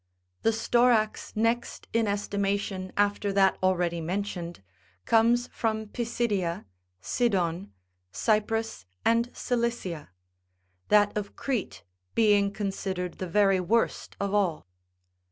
The storax next in esti mation after that already mentioned, comes from Pisidia, Sidon, Cyprus, and Cilicia ; that of Crete being considered the very worst of all.